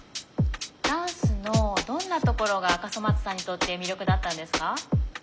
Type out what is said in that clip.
「ダンスのどんなところが笠松さんにとって魅力だったんですか？」。